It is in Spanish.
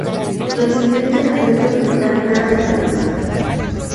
Recibió entrenamiento militar fuera del país.